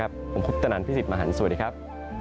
ผมคุปตนันพี่สิทธิมหันฯสวัสดีครับ